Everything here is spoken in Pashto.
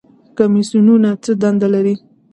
کمیسیونونه څه دنده لري؟